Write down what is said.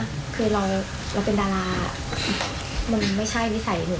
คือเราเป็นดารามันไม่ใช่นิสัยหนู